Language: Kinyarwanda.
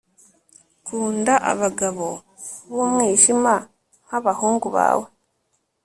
Kunda abagabo bumwijima nkabahungu bawe